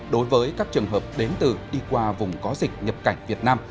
đối với các trường hợp đến từ đi qua vùng có dịch nhập cảnh việt nam